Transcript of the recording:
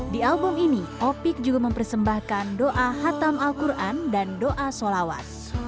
di album ini opik juga mempersembahkan doa hatam al quran dan doa solawat